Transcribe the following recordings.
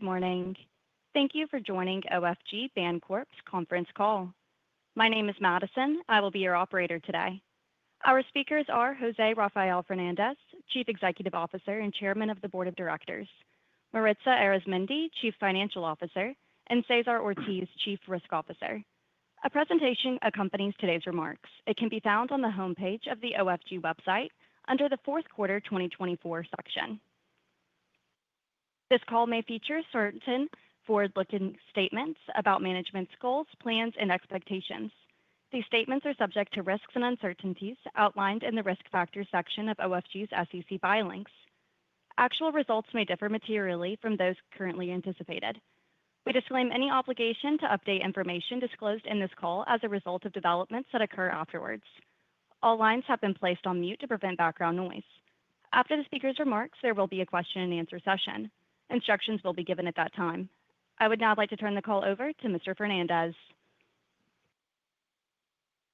Good morning. Thank you for joining OFG Bancorp's conference call. My name is Madison. I will be your operator today. Our speakers are José Rafael Fernández, Chief Executive Officer and Chairman of the Board of Directors, Maritza Arizmendi, Chief Financial Officer, and César Ortiz, Chief Risk Officer. A presentation accompanies today's remarks. It can be found on the homepage of the OFG website under the fourth quarter 2024 section. This call may feature certain forward-looking statements about management's goals, plans, and expectations. These statements are subject to risks and uncertainties outlined in the risk factors section of OFG's SEC filings. Actual results may differ materially from those currently anticipated. We disclaim any obligation to update information disclosed in this call as a result of developments that occur afterward. All lines have been placed on mute to prevent background noise. After the speaker's remarks, there will be a question-and-answer session. Instructions will be given at that time. I would now like to turn the call over to Mr. Fernández.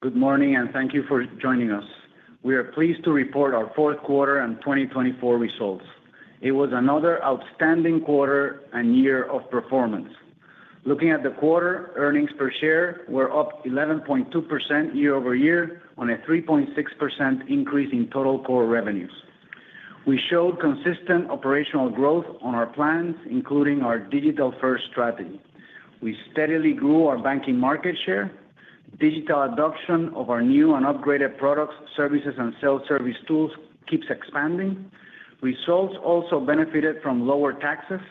Good morning, and thank you for joining us. We are pleased to report our fourth quarter 2024 results. It was another outstanding quarter and year of performance. Looking at the quarter, earnings per share were up 11.2% year-over-year on a 3.6% increase in total core revenues. We showed consistent operational growth on our plans, including our digital-first strategy. We steadily grew our banking market share. Digital adoption of our new and upgraded products, services, and self-service tools keeps expanding. Results also benefited from lower taxes,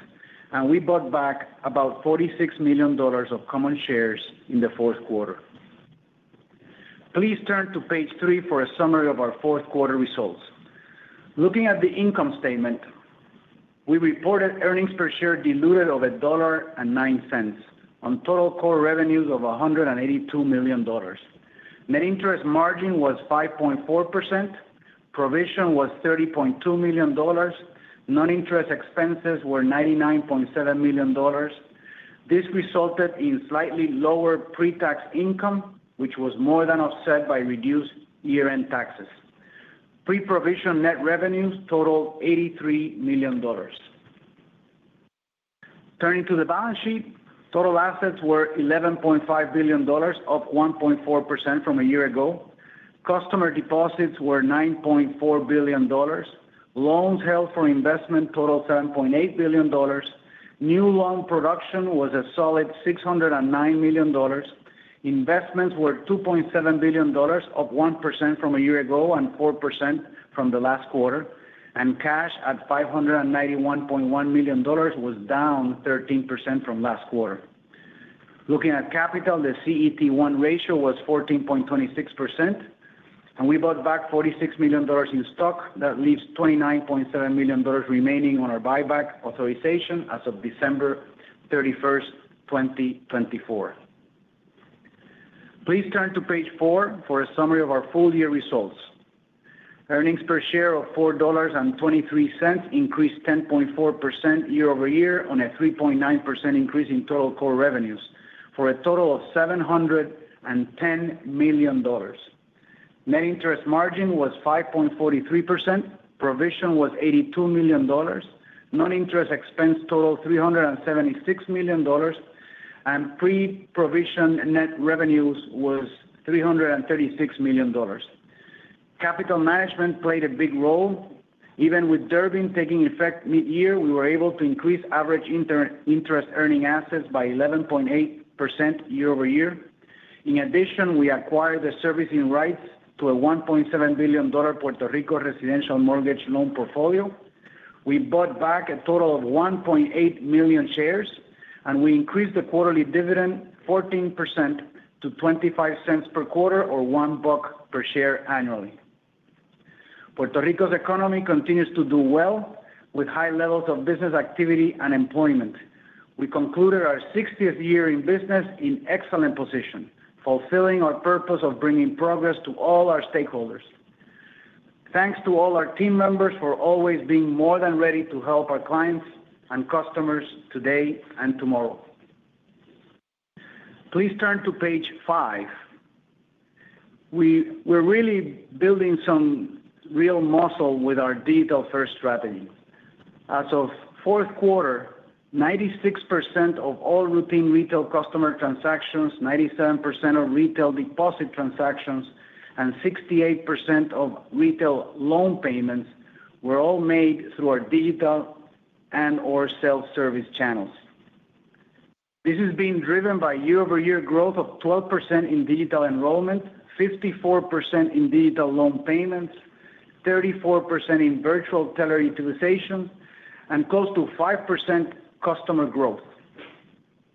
and we bought back about $46 million of common shares in the fourth quarter. Please turn to page three for a summary of our fourth quarter results. Looking at the income statement, we reported earnings per share diluted of $1.09 on total core revenues of $182 million. Net interest margin was 5.4%. Provision was $30.2 million. Non-interest expenses were $99.7 million. This resulted in slightly lower pre-tax income, which was more than offset by reduced year-end taxes. Pre-provision net revenues totaled $83 million. Turning to the balance sheet, total assets were $11.5 billion, up 1.4% from a year ago. Customer deposits were $9.4 billion. Loans held for investment totaled $7.8 billion. New loan production was a solid $609 million. Investments were $2.7 billion, up 1% from a year ago and 4% from the last quarter, and cash at $591.1 million was down 13% from last quarter. Looking at capital, the CET1 ratio was 14.26%, and we bought back $46 million in stock. That leaves $29.7 million remaining on our buyback authorization as of December 31st, 2024. Please turn to page four for a summary of our full year results. Earnings per share of $4.23 increased 10.4% year-over-year on a 3.9% increase in total core revenues for a total of $710 million. Net interest margin was 5.43%. Provision was $82 million. Non-interest expense totaled $376 million, and pre-provision net revenues was $336 million. Capital management played a big role. Even with Durbin taking effect mid-year, we were able to increase average interest-earning assets by 11.8% year-over-year. In addition, we acquired the servicing rights to a $1.7 billion Puerto Rico residential mortgage loan portfolio. We bought back a total of 1.8 million shares, and we increased the quarterly dividend 14% to $0.25 per quarter, or one buck per share annually. Puerto Rico's economy continues to do well with high levels of business activity and employment. We concluded our 60th year in business in excellent position, fulfilling our purpose of bringing progress to all our stakeholders. Thanks to all our team members for always being more than ready to help our clients and customers today and tomorrow. Please turn to page five. We're really building some real muscle with our digital-first strategy. As of fourth quarter, 96% of all routine retail customer transactions, 97% of retail deposit transactions, and 68% of retail loan payments were all made through our digital and/or self-service channels. This has been driven by year-over-year growth of 12% in digital enrollment, 54% in digital loan payments, 34% in virtual teller utilization, and close to 5% customer growth.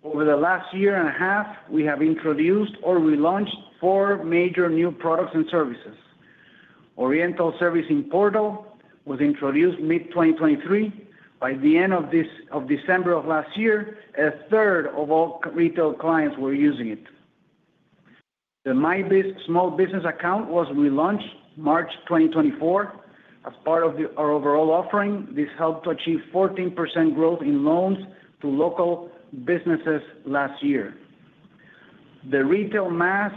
Over the last year and a half, we have introduced or relaunched four major new products and services. Oriental Servicing Portal was introduced mid-2023. By the end of December of last year, a third of all retail clients were using it. The My Biz Small Business Account was relaunched March 2024 as part of our overall offering. This helped to achieve 14% growth in loans to local businesses last year. The retail mass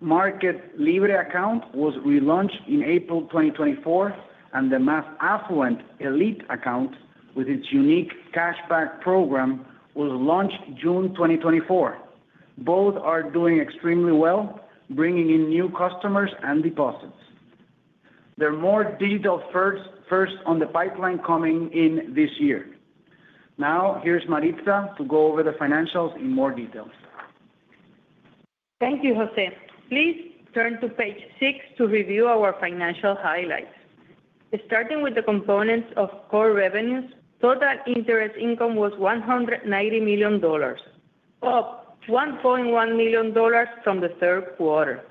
market Libre Account was relaunched in April 2024, and the mass affluent Elite Account, with its unique cashback program, was launched June 2024. Both are doing extremely well, bringing in new customers and deposits. There are more digital firsts on the pipeline coming in this year. Now, here's Maritza to go over the financials in more detail. Thank you, José. Please turn to page six to review our financial highlights. Starting with the components of core revenues, total interest income was $190 million, up $1.1 million from the third quarter.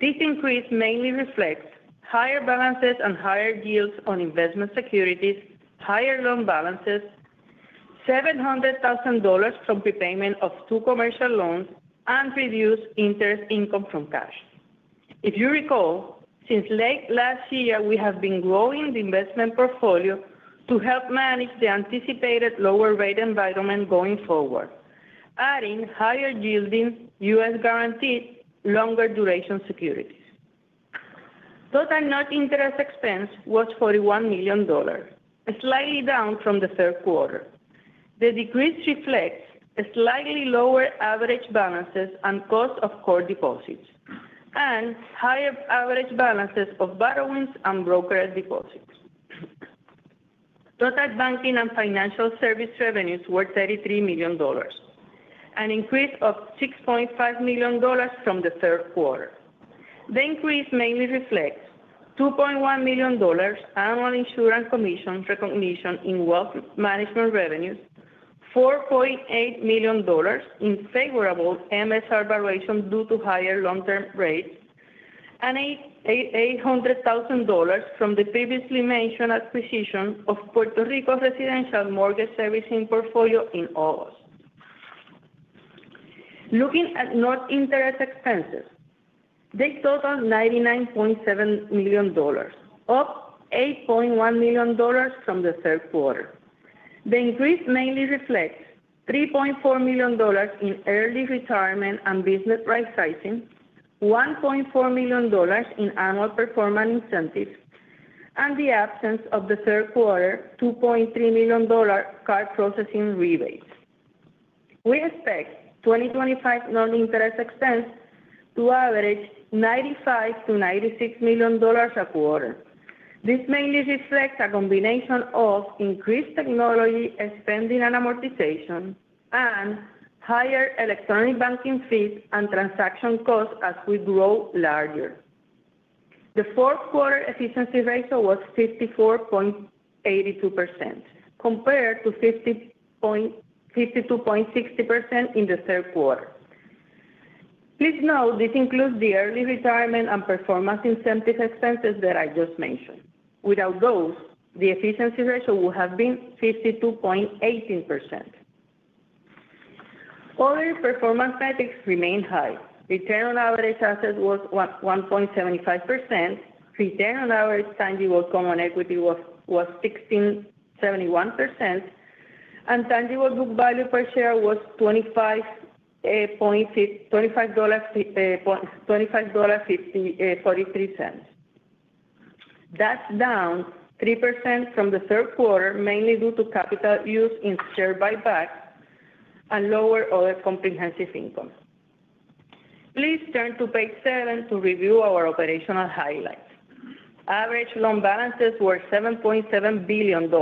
This increase mainly reflects higher balances and higher yields on investment securities, higher loan balances, $700,000 from prepayment of two commercial loans, and reduced interest income from cash. If you recall, since late last year, we have been growing the investment portfolio to help manage the anticipated lower rate environment going forward, adding higher-yielding U.S.-guaranteed, longer-duration securities. Total non-interest expenses was $41 million, slightly down from the third quarter. The decrease reflects slightly lower average balances and cost of core deposits and higher average balances of borrowings and brokered deposits. Total banking and financial service revenues were $33 million, an increase of $6.5 million from the third quarter. The increase mainly reflects $2.1 million annual insurance commission recognition in wealth management revenues, $4.8 million in favorable MSR valuation due to higher long-term rates, and $800,000 from the previously mentioned acquisition of Puerto Rico residential mortgage servicing portfolio in August. Looking at net interest expenses, they totaled $99.7 million, up $8.1 million from the third quarter. The increase mainly reflects $3.4 million in early retirement and business rightsizing, $1.4 million in annual performance incentives, and the absence of the third quarter $2.3 million card processing rebates. We expect 2025 net interest expense to average $95-$96 million a quarter. This mainly reflects a combination of increased technology expenditures and amortization and higher electronic banking fees and transaction costs as we grow larger. The fourth quarter efficiency ratio was 54.82%, compared to 52.60% in the third quarter. Please note this includes the early retirement and performance incentive expenses that I just mentioned. Without those, the efficiency ratio would have been 52.18%. Other performance metrics remain high. Return on average assets was 1.75%. Return on average tangible common equity was 16.71%, and tangible book value per share was $25.43. That's down 3% from the third quarter, mainly due to capital use in share buybacks and lower other comprehensive income. Please turn to page seven to review our operational highlights. Average loan balances were $7.7 billion,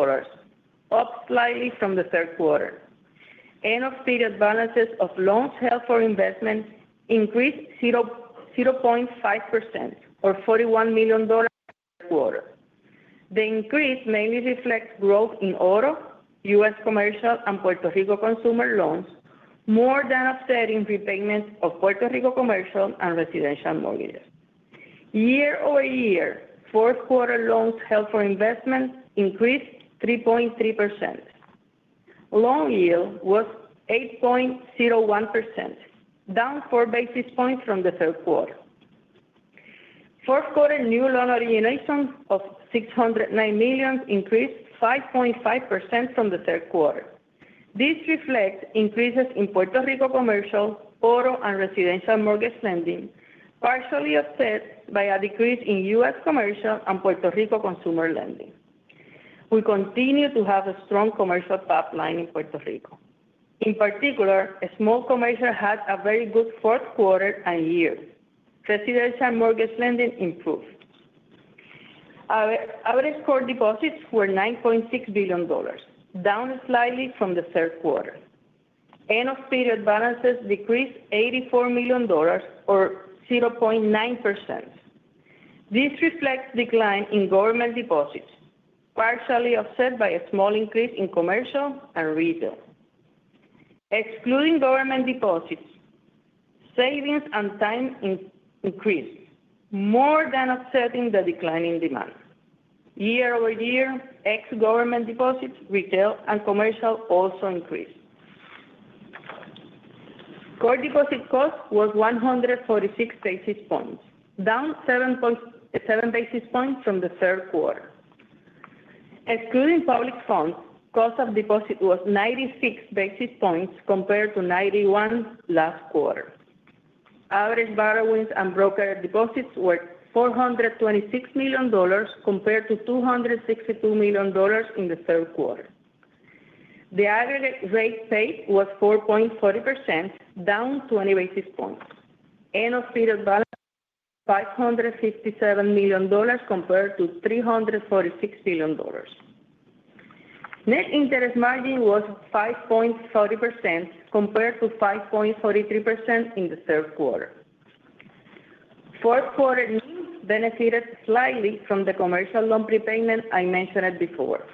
up slightly from the third quarter. End-of-period balances of loans held for investment increased 0.5%, or $41 million in the third quarter. The increase mainly reflects growth in auto, U.S. commercial, and Puerto Rico consumer loans, more than offsetting repayment of Puerto Rico commercial and residential mortgages. Year-over-year, fourth quarter loans held for investment increased 3.3%. Loan yield was 8.01%, down four basis points from the third quarter. Fourth quarter new loan origination of $609 million increased 5.5% from the third quarter. This reflects increases in Puerto Rico commercial, auto, and residential mortgage lending, partially offset by a decrease in U.S. commercial and Puerto Rico consumer lending. We continue to have a strong commercial pipeline in Puerto Rico. In particular, small commercial had a very good fourth quarter and year. Residential mortgage lending improved. Average core deposits were $9.6 billion, down slightly from the third quarter. End-of-period balances decreased $84 million, or 0.9%. This reflects decline in government deposits, partially offset by a small increase in commercial and retail. Excluding government deposits, savings and time increased, more than offsetting the decline in demand. Year-over-year, ex-government deposits, retail, and commercial also increased. Core deposit cost was 146 basis points, down 7 basis points from the third quarter. Excluding public funds, cost of deposit was 96 basis points compared to 91 last quarter. Average borrowings and brokered deposits were $426 million, compared to $262 million in the third quarter. The aggregate rate paid was 4.40%, down 20 basis points. End-of-period balance was $557 million, compared to $346 million. Net interest margin was 5.40%, compared to 5.43% in the third quarter. Fourth quarter benefited slightly from the commercial loan repayment I mentioned before.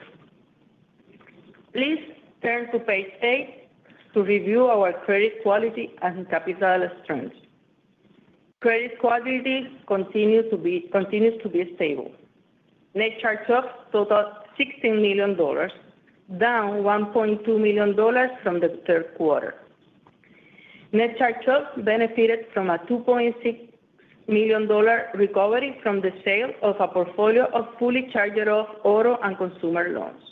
Please turn to page eight to review our credit quality and capital strength. Credit quality continues to be stable. Net charge-off totaled $16 million, down $1.2 million from the third quarter. Net charge-off benefited from a $2.6 million recovery from the sale of a portfolio of fully charged-off auto and consumer loans.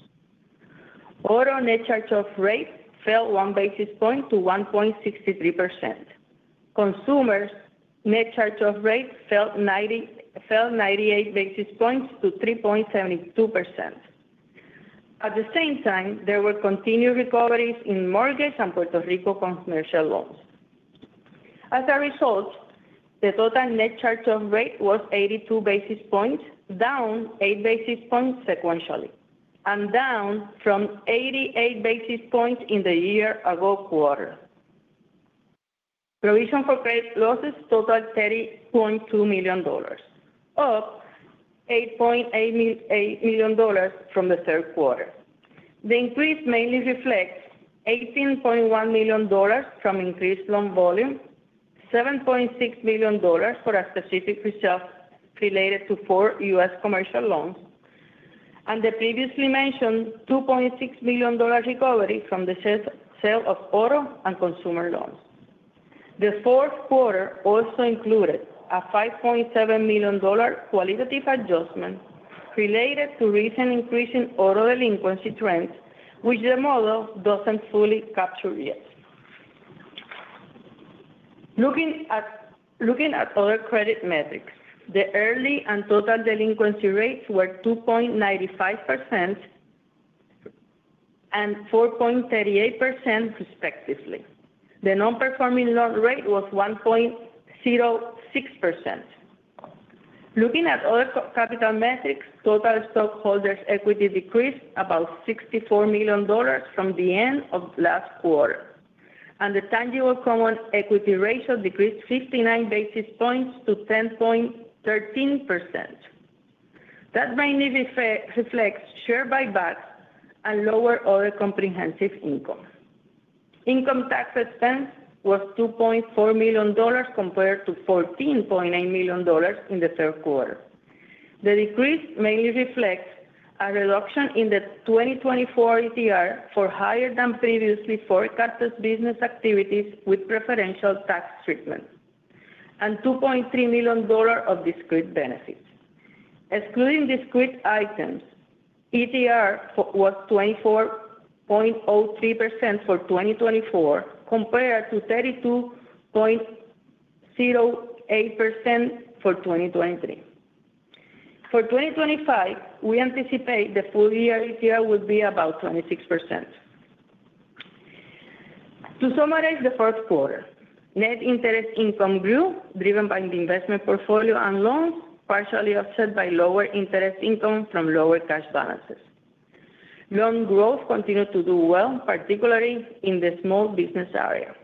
Auto net charge-off rate fell one basis point to 1.63%. Consumers' net charge-off rate fell 98 basis points to 3.72%. At the same time, there were continued recoveries in mortgage and Puerto Rico commercial loans. As a result, the total net charge-off rate was 82 basis points, down 8 basis points sequentially, and down from 88 basis points in the year-ago quarter. Provision for credit losses totaled $30.2 million, up $8.8 million from the third quarter. The increase mainly reflects $18.1 million from increased loan volume, $7.6 million for a specific result related to four U.S. commercial loans, and the previously mentioned $2.6 million recovery from the sale of auto and consumer loans. The fourth quarter also included a $5.7 million qualitative adjustment related to recent increasing auto delinquency trends, which the model doesn't fully capture yet. Looking at other credit metrics, the early and total delinquency rates were 2.95% and 4.38%, respectively. The non-performing loan rate was 1.06%. Looking at other capital metrics, total stockholders' equity decreased about $64 million from the end of last quarter, and the tangible common equity ratio decreased 59 basis points to 10.13%. That mainly reflects share buybacks and lower other comprehensive income. Income tax expense was $2.4 million compared to $14.8 million in the third quarter. The decrease mainly reflects a reduction in the 2024 ETR for higher than previously forecasted business activities with preferential tax treatment and $2.3 million of discrete benefits. Excluding discrete items, ETR was 24.03% for 2024 compared to 32.08% for 2023. For 2025, we anticipate the full year ETR will be about 26%. To summarize the fourth quarter, net interest income grew, driven by the investment portfolio and loans, partially offset by lower interest income from lower cash balances. Loan growth continued to do well, particularly in the small business area.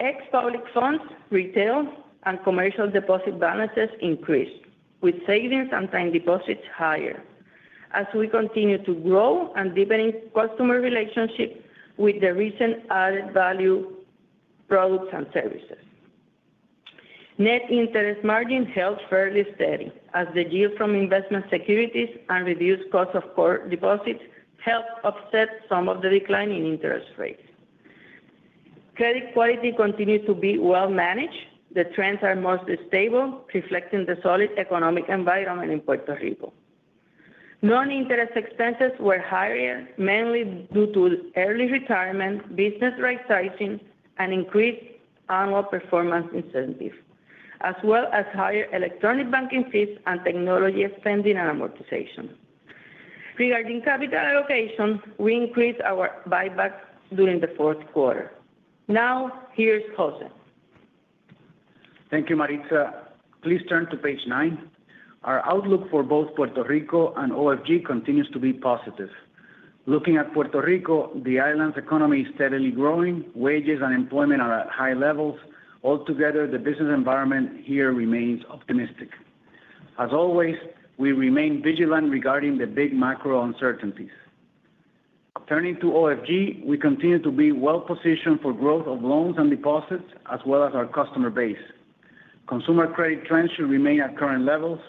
Ex-public funds, retail, and commercial deposit balances increased, with savings and time deposits higher, as we continue to grow and deepen customer relationships with the recent added value products and services. Net interest margin held fairly steady, as the yield from investment securities and reduced cost of core deposits helped offset some of the decline in interest rates. Credit quality continues to be well managed. The trends are mostly stable, reflecting the solid economic environment in Puerto Rico. Non-interest expenses were higher, mainly due to early retirement, business rightsizing, and increased annual performance incentives, as well as higher electronic banking fees and technology spending and amortization. Regarding capital allocation, we increased our buybacks during the fourth quarter. Now, here's José. Thank you, Maritza. Please turn to page nine. Our outlook for both Puerto Rico and OFG continues to be positive. Looking at Puerto Rico, the island's economy is steadily growing. Wages and employment are at high levels. Altogether, the business environment here remains optimistic. As always, we remain vigilant regarding the big macro uncertainties. Turning to OFG, we continue to be well positioned for growth of loans and deposits, as well as our customer base. Consumer credit trends should remain at current levels.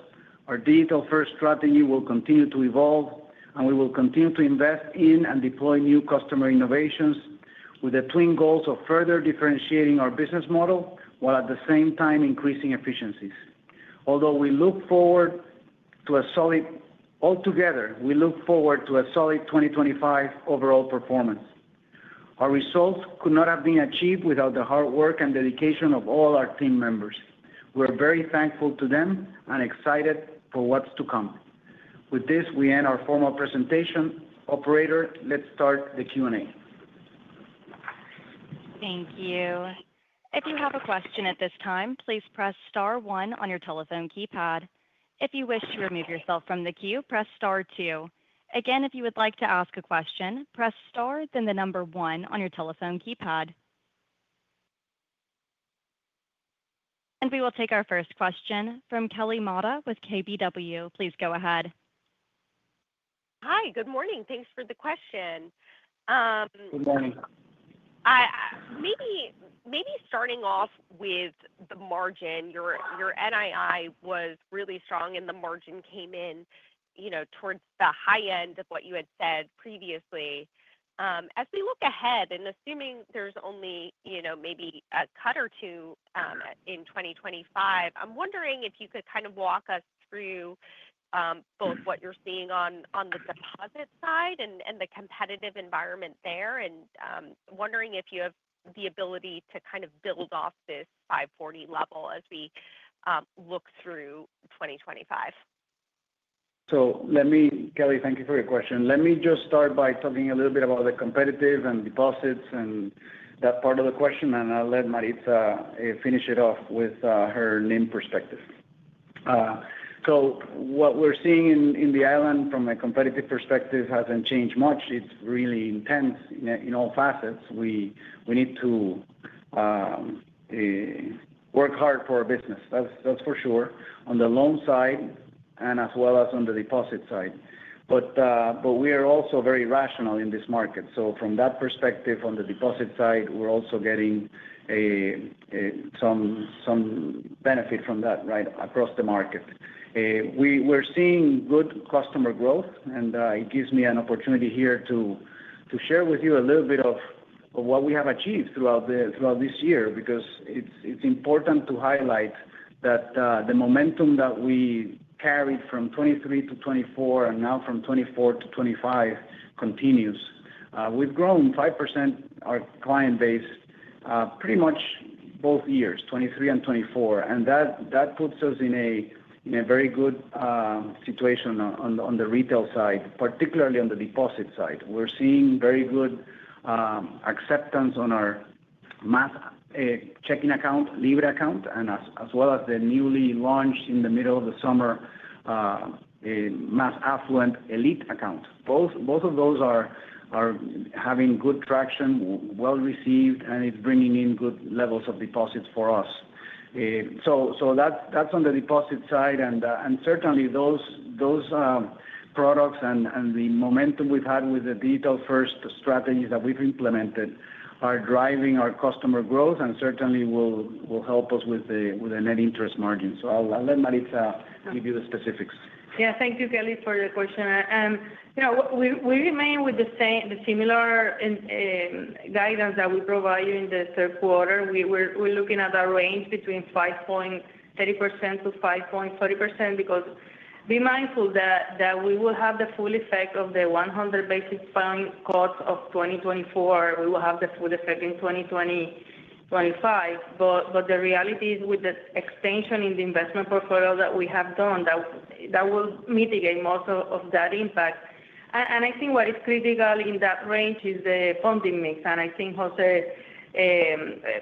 Our digital-first strategy will continue to evolve, and we will continue to invest in and deploy new customer innovations, with the twin goals of further differentiating our business model while at the same time increasing efficiencies. Although we look forward to a solid altogether, we look forward to a solid 2025 overall performance. Our results could not have been achieved without the hard work and dedication of all our team members. We are very thankful to them and excited for what's to come. With this, we end our formal presentation. Operator, let's start the Q&A. Thank you. If you have a question at this time, please press star one on your telephone keypad. If you wish to remove yourself from the queue, press star two. Again, if you would like to ask a question, press star, then the number one on your telephone keypad. We will take our first question from Kelly Motta with KBW. Please go ahead. Hi, good morning. Thanks for the question. Good morning. Maybe starting off with the margin, your NII was really strong, and the margin came in towards the high end of what you had said previously. As we look ahead and assuming there's only maybe a cut or two in 2025, I'm wondering if you could kind of walk us through both what you're seeing on the deposit side and the competitive environment there, and wondering if you have the ability to kind of build off this 540 level as we look through 2025. So let me, Kelly, thank you for your question. Let me just start by talking a little bit about the competitive and deposits and that part of the question, and I'll let Maritza finish it off with her NIM perspective. So what we're seeing in the island from a competitive perspective hasn't changed much. It's really intense in all facets. We need to work hard for our business, that's for sure, on the loan side and as well as on the deposit side. But we are also very rational in this market. So from that perspective, on the deposit side, we're also getting some benefit from that right across the market. We're seeing good customer growth, and it gives me an opportunity here to share with you a little bit of what we have achieved throughout this year because it's important to highlight that the momentum that we carried from 2023 to 2024 and now from 2024 to 2025 continues. We've grown 5% our client base pretty much both years, 2023 and 2024, and that puts us in a very good situation on the retail side, particularly on the deposit side. We're seeing very good acceptance on our mass checking account, Libre Account, and as well as the newly launched in the middle of the summer mass affluent Elite Account. Both of those are having good traction, well received, and it's bringing in good levels of deposits for us. So that's on the deposit side, and certainly those products and the momentum we've had with the digital-first strategies that we've implemented are driving our customer growth and certainly will help us with the net interest margin. So I'll let Maritza give you the specifics. Yeah, thank you, Kelly, for the question. We remain with the similar guidance that we provided in the third quarter. We're looking at a range between 5.30%-5.40% because, be mindful that we will have the full effect of the 100 basis point cuts of 2024. We will have the full effect in 2025, but the reality is with the extension in the investment portfolio that we have done that will mitigate most of that impact. And I think what is critical in that range is the funding mix, and I think José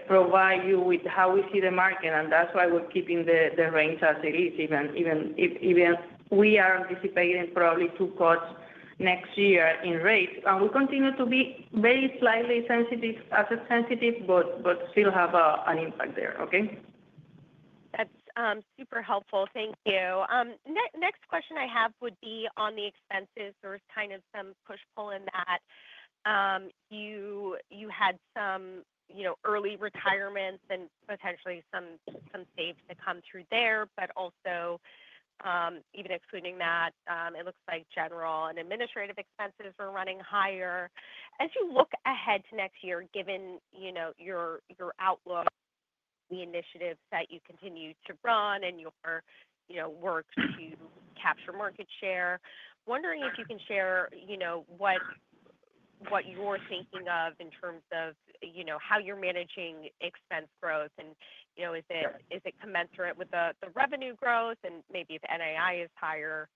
provided you with how we see the market, and that's why we're keeping the range as it is, even if we are anticipating probably two cuts next year in rates. And we continue to be very slightly asset sensitive, but still have an impact there, okay? That's super helpful. Thank you. Next question I have would be on the expenses. There was kind of some push-pull in that you had some early retirements and potentially some saves to come through there, but also even excluding that, it looks like general and administrative expenses were running higher. As you look ahead to next year, given your outlook, the initiatives that you continue to run and your work to capture market share, wondering if you can share what you're thinking of in terms of how you're managing expense growth, and is it commensurate with the revenue growth? And maybe if NII is higher,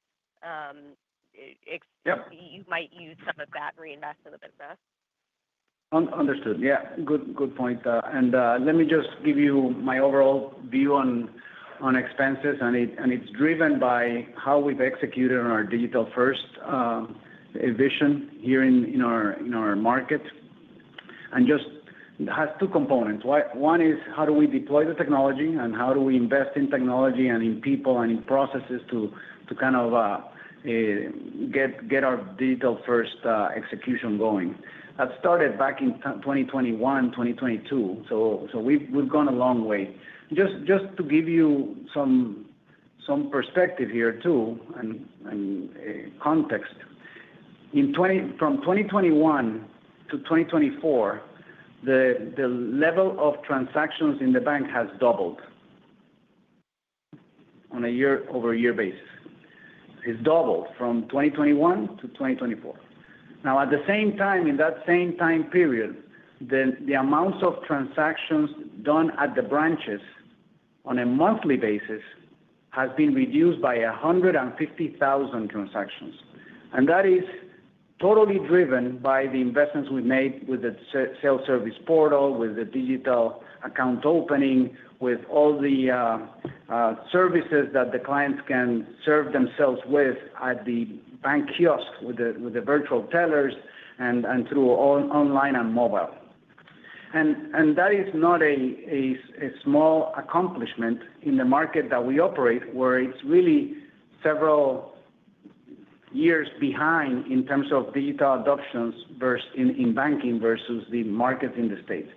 you might use some of that reinvest in the business. Understood. Yeah, good point, and let me just give you my overall view on expenses, and it's driven by how we've executed on our digital-first vision here in our market, and just has two components. One is how do we deploy the technology and how do we invest in technology and in people and in processes to kind of get our digital-first execution going. That started back in 2021, 2022, so we've gone a long way. Just to give you some perspective here too and context, from 2021 to 2024, the level of transactions in the bank has doubled on a year-over-year basis. It's doubled from 2021 to 2024. Now, at the same time, in that same time period, the amounts of transactions done at the branches on a monthly basis have been reduced by 150,000 transactions. That is totally driven by the investments we've made with the self-service portal, with the digital account opening, with all the services that the clients can serve themselves with at the bank kiosk, with the virtual tellers, and through online and mobile. That is not a small accomplishment in the market that we operate, where it's really several years behind in terms of digital adoption in banking versus the markets in the states.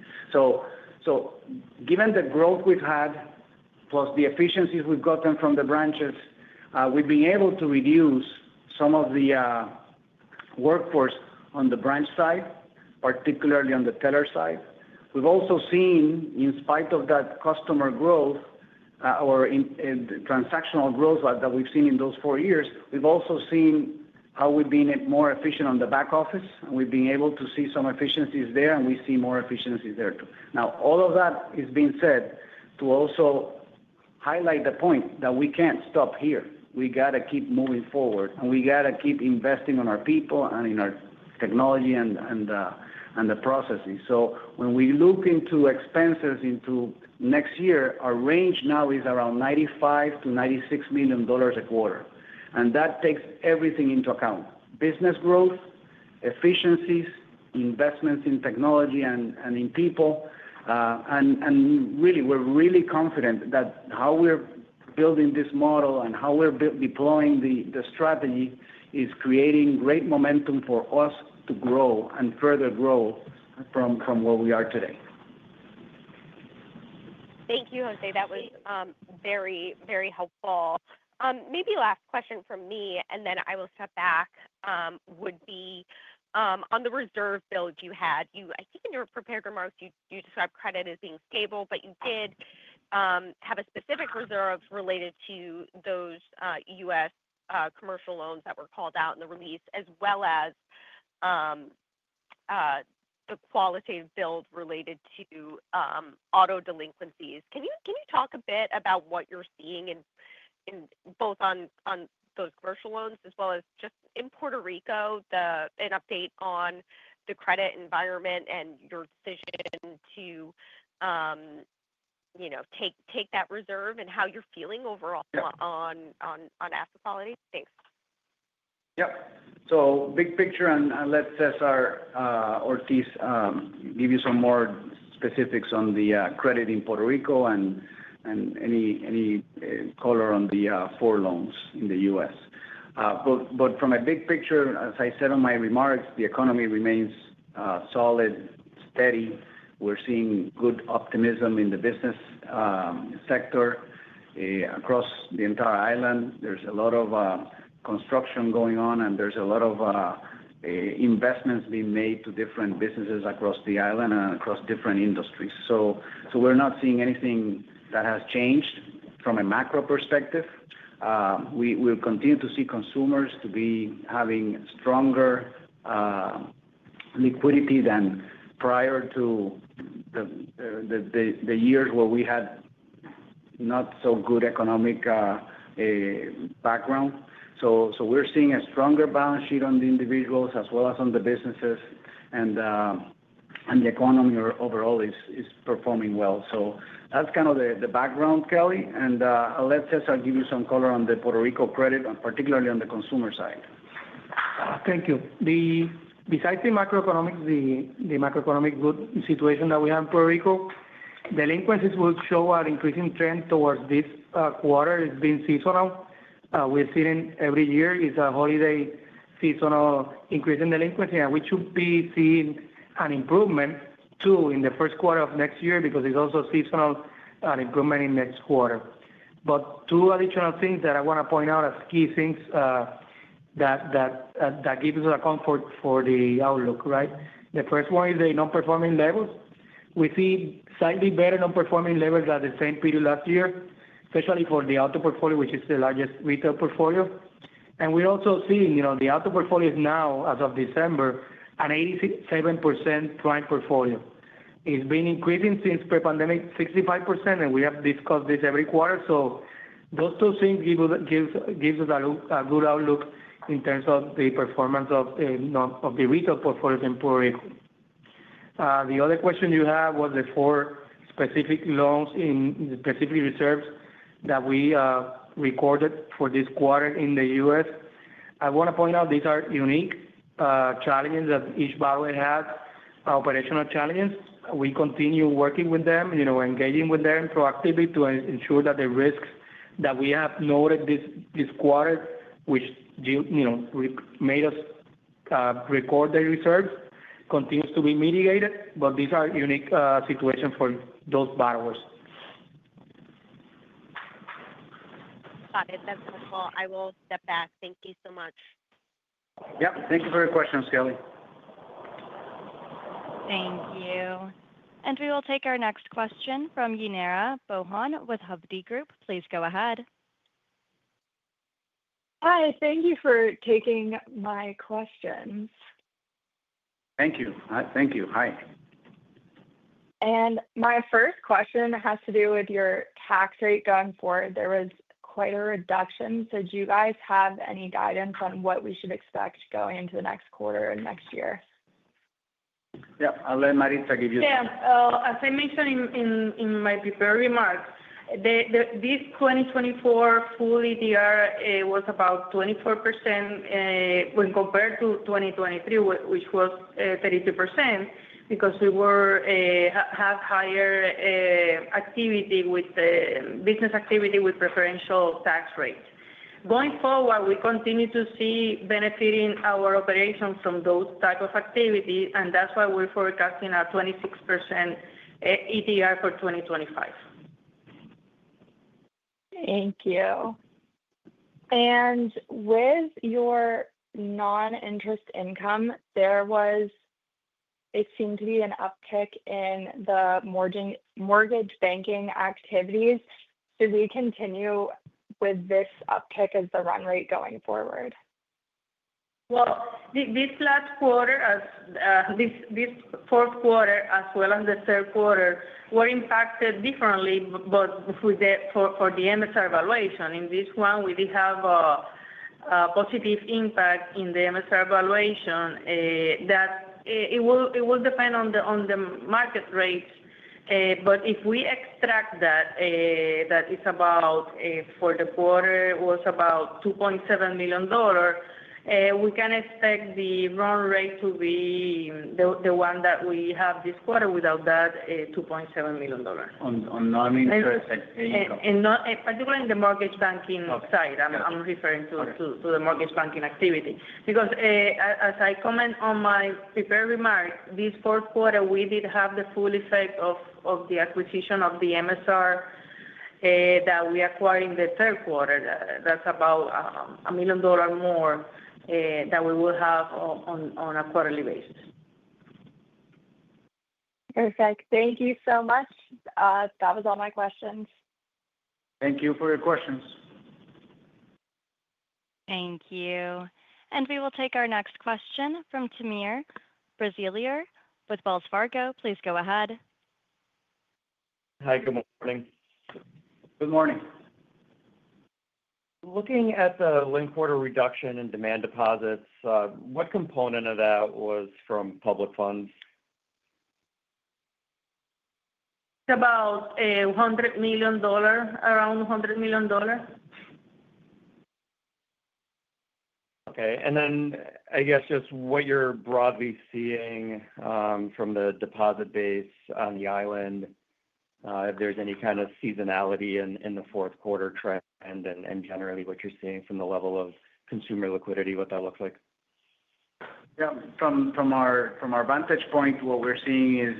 Given the growth we've had, plus the efficiencies we've gotten from the branches, we've been able to reduce some of the workforce on the branch side, particularly on the teller side. We've also seen, in spite of that customer growth or transactional growth that we've seen in those four years, we've also seen how we've been more efficient on the back office, and we've been able to see some efficiencies there, and we see more efficiencies there too. Now, all of that is being said to also highlight the point that we can't stop here. We got to keep moving forward, and we got to keep investing in our people and in our technology and the processes. So when we look into expenses into next year, our range now is around $95-$96 million a quarter. And that takes everything into account: business growth, efficiencies, investments in technology and in people. Really, we're really confident that how we're building this model and how we're deploying the strategy is creating great momentum for us to grow and further grow from where we are today. Thank you, José. That was very, very helpful. Maybe last question from me, and then I will step back, would be on the reserve build you had. I think in your prepared remarks, you described credit as being stable, but you did have a specific reserve related to those U.S. commercial loans that were called out in the release, as well as the qualitative build related to auto delinquencies. Can you talk a bit about what you're seeing both on those commercial loans as well as just in Puerto Rico, an update on the credit environment and your decision to take that reserve and how you're feeling overall on asset quality? Thanks. Yep. So big picture, and let César Ortiz give you some more specifics on the credit in Puerto Rico and any color on the four loans in the U.S. But from a big picture, as I said in my remarks, the economy remains solid, steady. We're seeing good optimism in the business sector across the entire island. There's a lot of construction going on, and there's a lot of investments being made to different businesses across the island and across different industries. So we're not seeing anything that has changed from a macro perspective. We'll continue to see consumers having stronger liquidity than prior to the years where we had not so good economic background. So we're seeing a stronger balance sheet on the individuals as well as on the businesses, and the economy overall is performing well. So that's kind of the background, Kelly. I'll let César give you some color on the Puerto Rico credit, particularly on the consumer side. Thank you. Besides the macroeconomics, the macroeconomic good situation that we have in Puerto Rico, delinquencies will show an increasing trend towards this quarter. It's been seasonal. We're seeing every year is a holiday seasonal increase in delinquency, and we should be seeing an improvement too in the first quarter of next year because it's also seasonal and improvement in next quarter. But two additional things that I want to point out as key things that give us a comfort for the outlook, right? The first one is the non-performing levels. We see slightly better non-performing levels at the same period last year, especially for the auto portfolio, which is the largest retail portfolio. And we're also seeing the auto portfolio is now, as of December, an 87% prime portfolio. It's been increasing since pre-pandemic, 65%, and we have discussed this every quarter. So those two things give us a good outlook in terms of the performance of the retail portfolios in Puerto Rico. The other question you had was the four specific loans and specific reserves that we recorded for this quarter in the U.S. I want to point out these are unique challenges that each borrower has, operational challenges. We continue working with them, engaging with them proactively to ensure that the risks that we have noted this quarter, which made us record the reserves, continues to be mitigated, but these are unique situations for those borrowers. Got it. That's helpful. I will step back. Thank you so much. Yep. Thank you for your questions, Kelly. Thank you. And we will take our next question from Yulmara Borgen with Hovde Group. Please go ahead. Hi. Thank you for taking my questions. Thank you. Thank you. Hi. And my first question has to do with your tax rate going forward. There was quite a reduction. So do you guys have any guidance on what we should expect going into the next quarter and next year? Yep. I'll let Maritza give you the. Yeah. As I mentioned in my prepared remarks, this 2024 full ETR was about 24% when compared to 2023, which was 32% because we have higher business activity with preferential tax rates. Going forward, we continue to see benefiting our operations from those types of activities, and that's why we're forecasting a 26% ETR for 2025. Thank you. And with your non-interest income, there was, it seemed to be, an uptick in the mortgage banking activities. So do we continue with this uptick as the run rate going forward? This last quarter, this fourth quarter, as well as the third quarter, were impacted differently, but for the MSR valuation. In this one, we did have a positive impact in the MSR valuation. That it will depend on the market rates, but if we extract that, that it's about for the quarter was about $2.7 million, we can expect the run rate to be the one that we have this quarter without that $2.7 million. On non-interest income. And particularly in the mortgage banking side, I'm referring to the mortgage banking activity. Because as I comment on my prepared remark, this fourth quarter, we did have the full effect of the acquisition of the MSR that we acquired in the third quarter. That's about $1 million more that we will have on a quarterly basis. Perfect. Thank you so much. That was all my questions. Thank you for your questions. Thank you. And we will take our next question from Timur Braziler with Wells Fargo. Please go ahead. Hi. Good morning. Good morning. Looking at the linked quarter reduction in demand deposits, what component of that was from public funds? It's about $100 million, around $100 million. Okay, and then I guess just what you're broadly seeing from the deposit base on the island, if there's any kind of seasonality in the fourth quarter trend and generally what you're seeing from the level of consumer liquidity, what that looks like? Yeah. From our vantage point, what we're seeing is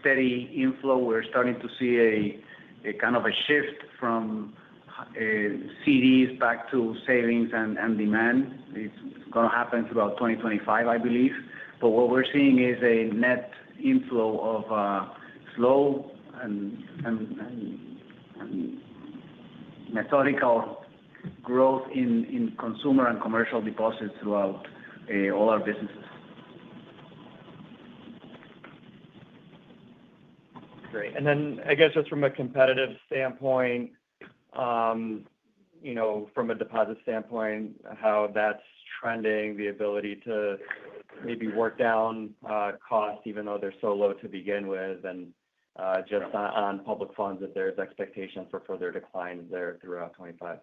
steady inflow. We're starting to see a kind of a shift from CDs back to savings and demand. It's going to happen throughout 2025, I believe. But what we're seeing is a net inflow of slow and methodical growth in consumer and commercial deposits throughout all our businesses. Great. And then I guess just from a competitive standpoint, from a deposit standpoint, how that's trending, the ability to maybe work down costs even though they're so low to begin with, and just on public funds, if there's expectations for further declines there throughout 2025.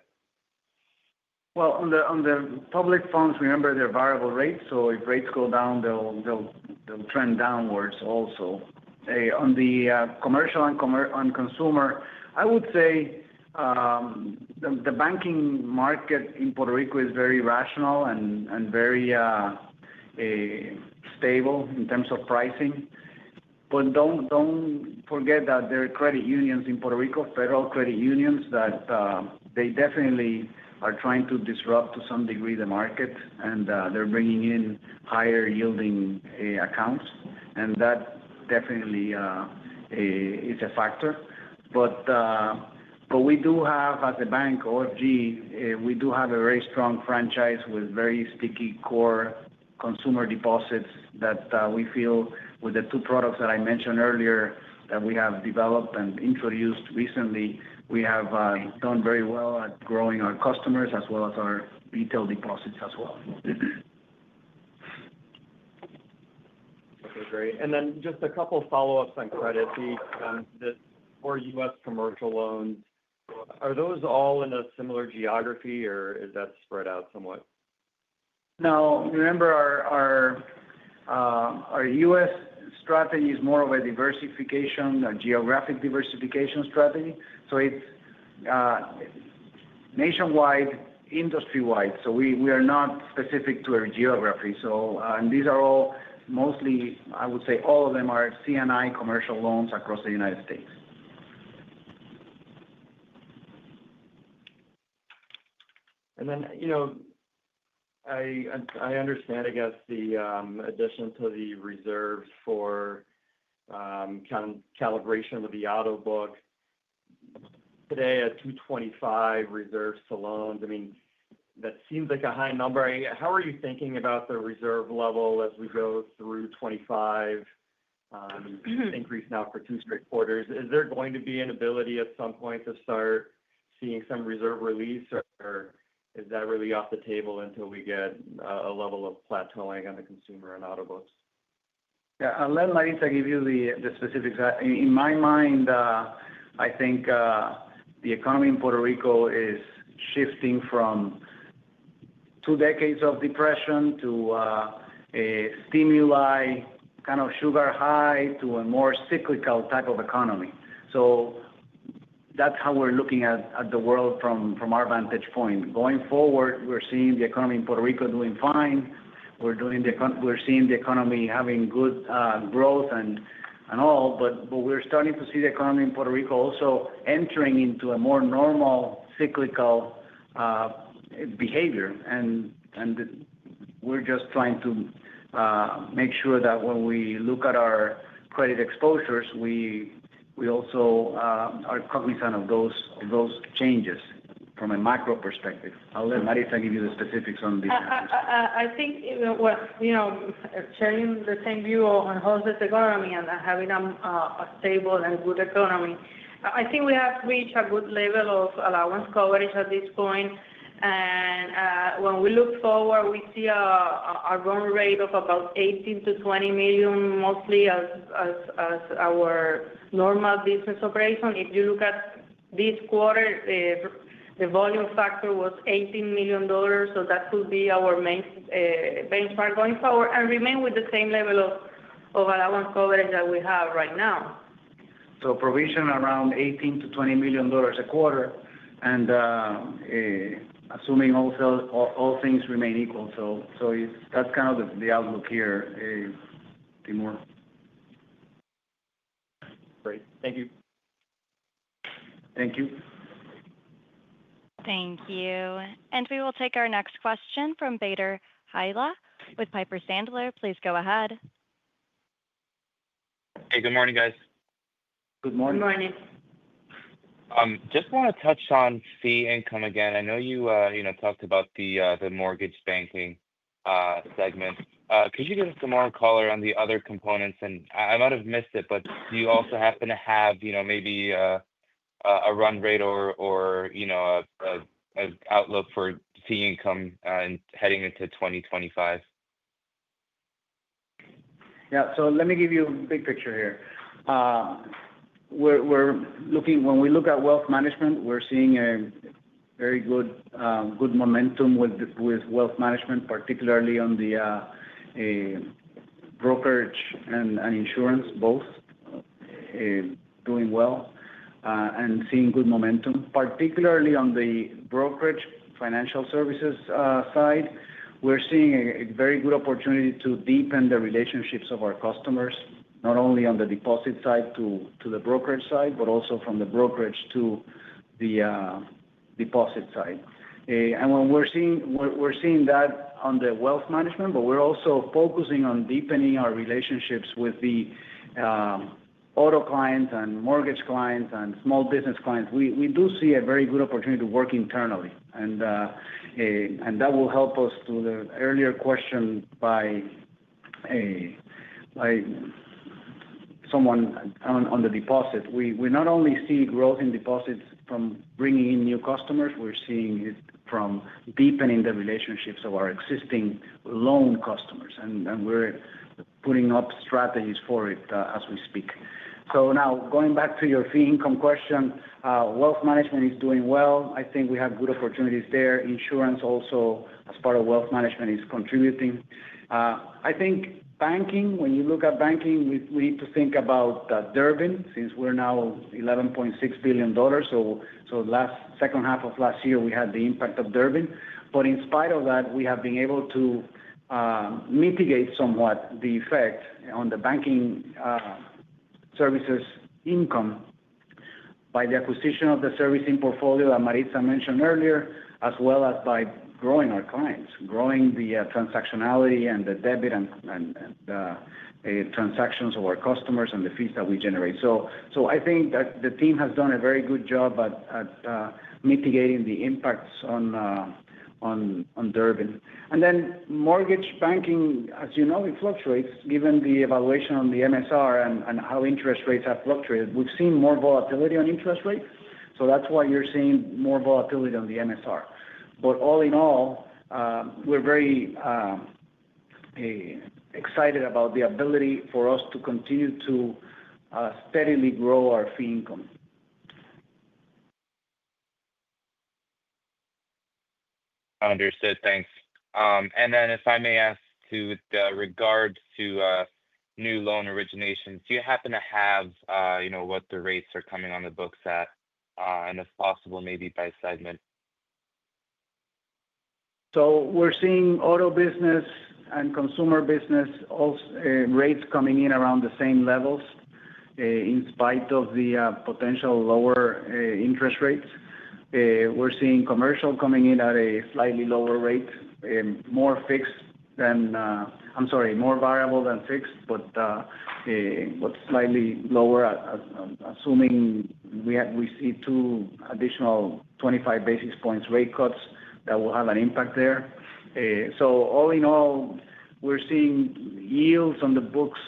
On the public funds, remember, they're variable rates. If rates go down, they'll trend downwards also. On the commercial and consumer, I would say the banking market in Puerto Rico is very rational and very stable in terms of pricing. Don't forget that there are credit unions in Puerto Rico, federal credit unions, that they definitely are trying to disrupt to some degree the market, and they're bringing in higher-yielding accounts. That definitely is a factor. We do have, as a bank, OFG, we do have a very strong franchise with very sticky core consumer deposits that we feel with the two products that I mentioned earlier that we have developed and introduced recently, we have done very well at growing our customers as well as our retail deposits as well. Okay. Great. And then just a couple of follow-ups on credit. The four U.S. commercial loans, are those all in a similar geography, or is that spread out somewhat? No. Remember, our U.S. strategy is more of a diversification, a geographic diversification strategy. So it's nationwide, industry-wide. So we are not specific to our geography, and these are all mostly, I would say, all of them are C&I commercial loans across the United States. And then I understand, I guess, the addition to the reserves for calibration of the auto book. Today, at 2.25% reserves to loans, I mean, that seems like a high number. How are you thinking about the reserve level as we go through 2025? Increase now for two straight quarters. Is there going to be an ability at some point to start seeing some reserve release, or is that really off the table until we get a level of plateauing on the consumer and auto books? Yeah. I'll let Maritza give you the specifics. In my mind, I think the economy in Puerto Rico is shifting from two decades of depression to a stimuli, kind of sugar high, to a more cyclical type of economy, so that's how we're looking at the world from our vantage point. Going forward, we're seeing the economy in Puerto Rico doing fine. We're seeing the economy having good growth and all, but we're starting to see the economy in Puerto Rico also entering into a more normal cyclical behavior, and we're just trying to make sure that when we look at our credit exposures, we also are cognizant of those changes from a macro perspective. I'll let Maritza give you the specifics on the. I think, well, sharing the same view on Puerto Rico's economy and having a stable and good economy, I think we have reached a good level of allowance coverage at this point. And when we look forward, we see a run rate of about $18 million-$20 million, mostly as our normal business operation. If you look at this quarter, the volume factor was $18 million. So that could be our main benchmark going forward and remain with the same level of allowance coverage that we have right now. So provision around $18-$20 million a quarter, and assuming all things remain equal. So that's kind of the outlook here, Timur. Great. Thank you. Thank you. Thank you. And we will take our next question from Bader Hijleh with Piper Sandler. Please go ahead. Hey. Good morning, guys. Good morning. Good morning. Just want to touch on fee income again. I know you talked about the mortgage banking segment. Could you give us some more color on the other components, and I might have missed it, but do you also happen to have maybe a run rate or an outlook for fee income heading into 2025? Yeah, so let me give you a big picture here. When we look at wealth management, we're seeing a very good momentum with wealth management, particularly on the brokerage and insurance, both doing well and seeing good momentum. Particularly on the brokerage financial services side, we're seeing a very good opportunity to deepen the relationships of our customers, not only on the deposit side to the brokerage side, but also from the brokerage to the deposit side. And we're seeing that on the wealth management, but we're also focusing on deepening our relationships with the auto clients and mortgage clients and small business clients. We do see a very good opportunity to work internally. And that will help us to the earlier question by someone on the deposit. We not only see growth in deposits from bringing in new customers, we're seeing it from deepening the relationships of our existing loan customers, and we're putting up strategies for it as we speak, so now, going back to your fee income question, wealth management is doing well. I think we have good opportunities there. Insurance also, as part of wealth management, is contributing. I think banking, when you look at banking, we need to think about Durbin since we're now $11.6 billion, so the second half of last year, we had the impact of Durbin. But in spite of that, we have been able to mitigate somewhat the effect on the banking services income by the acquisition of the servicing portfolio that Maritza mentioned earlier, as well as by growing our clients, growing the transactionality and the debit and transactions of our customers and the fees that we generate. So I think that the team has done a very good job at mitigating the impacts on Durbin. And then mortgage banking, as you know, it fluctuates given the valuation on the MSR and how interest rates have fluctuated. We've seen more volatility on interest rates. So that's why you're seeing more volatility on the MSR. But all in all, we're very excited about the ability for us to continue to steadily grow our fee income. Understood. Thanks. And then if I may ask with regard to new loan originations, do you happen to have what the rates are coming on the books at? And if possible, maybe by segment. So we're seeing auto business and consumer business rates coming in around the same levels in spite of the potential lower interest rates. We're seeing commercial coming in at a slightly lower rate, more fixed than, I'm sorry, more variable than fixed, but slightly lower, assuming we see two additional 25 basis points rate cuts that will have an impact there. So all in all, we're seeing yields on the books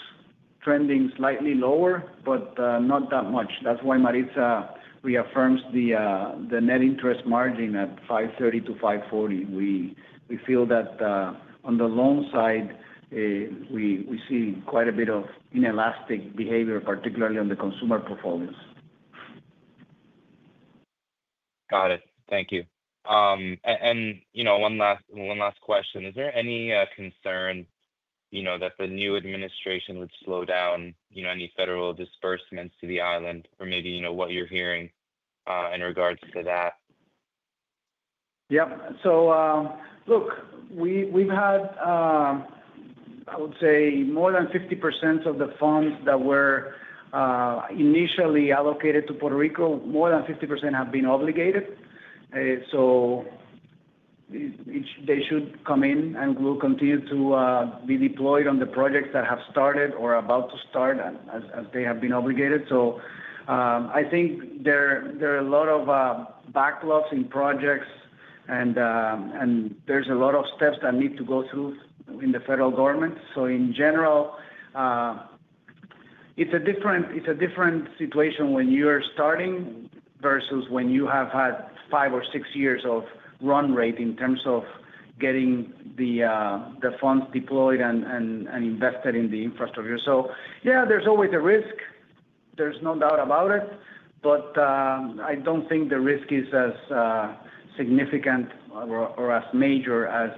trending slightly lower, but not that much. That's why Maritza reaffirms the net interest margin at 530-540. We feel that on the loan side, we see quite a bit of inelastic behavior, particularly on the consumer portfolios. Got it. Thank you. And one last question. Is there any concern that the new administration would slow down any federal disbursements to the island? Or maybe what you're hearing in regards to that? Yep. So look, we've had, I would say, more than 50% of the funds that were initially allocated to Puerto Rico, more than 50% have been obligated. So they should come in and will continue to be deployed on the projects that have started or are about to start as they have been obligated. So I think there are a lot of backlogs in projects, and there's a lot of steps that need to go through in the federal government. So in general, it's a different situation when you're starting versus when you have had five or six years of run rate in terms of getting the funds deployed and invested in the infrastructure. So yeah, there's always a risk. There's no doubt about it. But I don't think the risk is as significant or as major as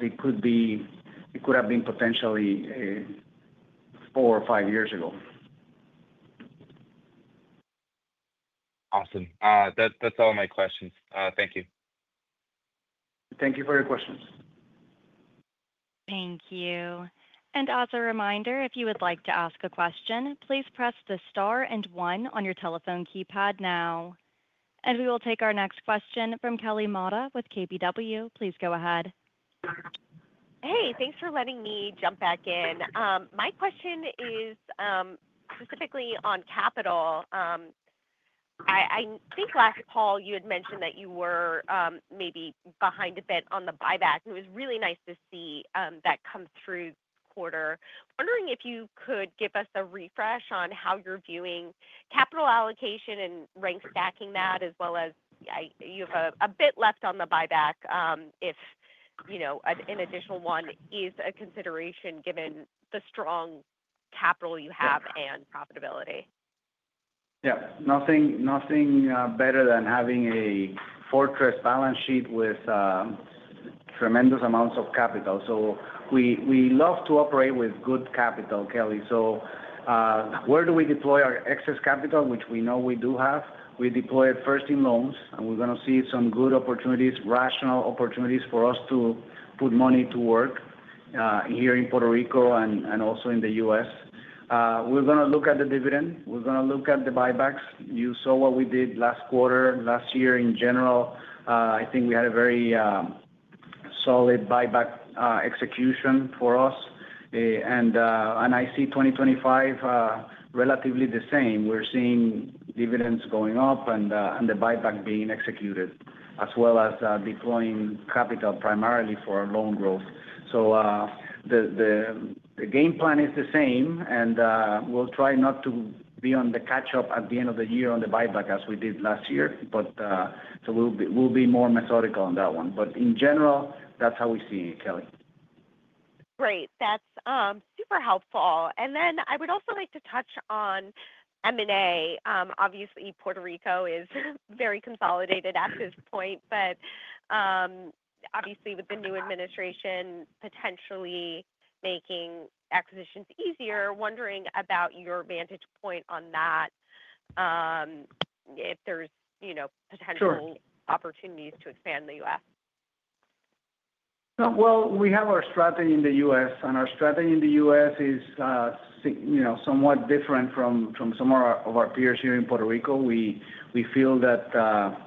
it could have been potentially four or five years ago. Awesome. That's all my questions. Thank you. Thank you for your questions. Thank you. And as a reminder, if you would like to ask a question, please press the star and one on your telephone keypad now. And we will take our next question from Kelly Motta with KBW. Please go ahead. Hey. Thanks for letting me jump back in. My question is specifically on capital. I think last call, you had mentioned that you were maybe behind a bit on the buyback. It was really nice to see that come through this quarter. Wondering if you could give us a refresh on how you're viewing capital allocation and rank stacking that, as well as you have a bit left on the buyback if an additional one is a consideration given the strong capital you have and profitability? Yeah. Nothing better than having a fortress balance sheet with tremendous amounts of capital. So we love to operate with good capital, Kelly. So where do we deploy our excess capital, which we know we do have? We deploy it first in loans, and we're going to see some good opportunities, rational opportunities for us to put money to work here in Puerto Rico and also in the U.S. We're going to look at the dividend. We're going to look at the buybacks. You saw what we did last quarter, last year in general. I think we had a very solid buyback execution for us. And I see 2025 relatively the same. We're seeing dividends going up and the buyback being executed, as well as deploying capital primarily for loan growth. So the game plan is the same, and we'll try not to be on the catch-up at the end of the year on the buyback as we did last year. So we'll be more methodical on that one. But in general, that's how we see it, Kelly. Great. That's super helpful. And then I would also like to touch on M&A. Obviously, Puerto Rico is very consolidated at this point, but obviously, with the new administration potentially making acquisitions easier, wondering about your vantage point on that, if there's potential opportunities to expand in the U.S. We have our strategy in the U.S., and our strategy in the U.S. is somewhat different from some of our peers here in Puerto Rico. We feel that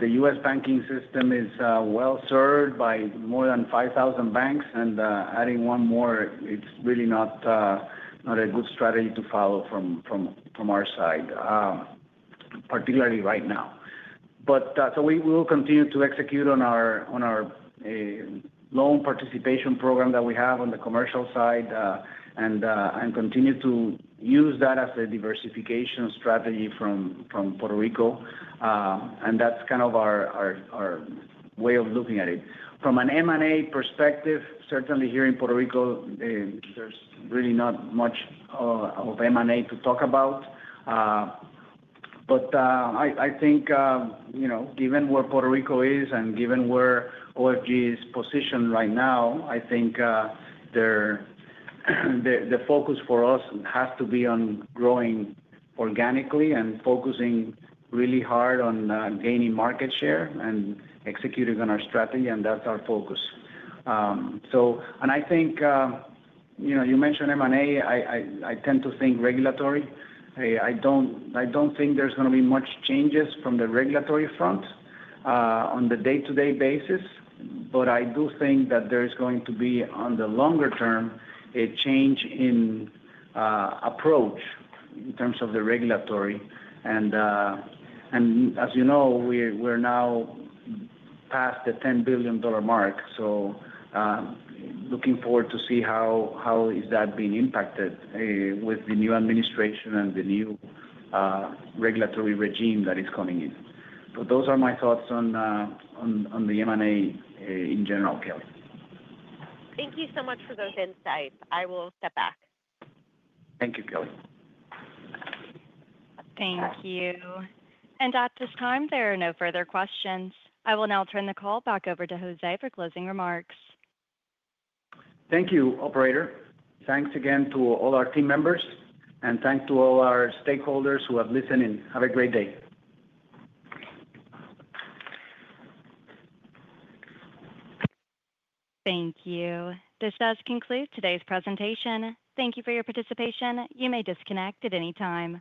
the U.S. banking system is well served by more than 5,000 banks, and adding one more, it's really not a good strategy to follow from our side, particularly right now, so we will continue to execute on our loan participation program that we have on the commercial side and continue to use that as a diversification strategy from Puerto Rico, and that's kind of our way of looking at it. From an M&A perspective, certainly here in Puerto Rico, there's really not much of M&A to talk about. But I think given where Puerto Rico is and given where OFG is positioned right now, I think the focus for us has to be on growing organically and focusing really hard on gaining market share and executing on our strategy. And that's our focus. And I think you mentioned M&A. I tend to think regulatory. I don't think there's going to be much changes from the regulatory front on the day-to-day basis. But I do think that there is going to be, on the longer term, a change in approach in terms of the regulatory. And as you know, we're now past the $10 billion mark. So looking forward to see how is that being impacted with the new administration and the new regulatory regime that is coming in. But those are my thoughts on the M&A in general, Kelly. Thank you so much for those insights. I will step back. Thank you, Kelly. Thank you. And at this time, there are no further questions. I will now turn the call back over to José for closing remarks. Thank you, operator. Thanks again to all our team members. And thanks to all our stakeholders who have listened. Have a great day. Thank you. This does conclude today's presentation. Thank you for your participation. You may disconnect at any time.